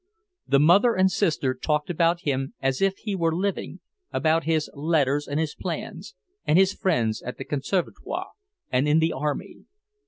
The mother and sister talked about him as if he were living, about his letters and his plans, and his friends at the Conservatoire and in the Army.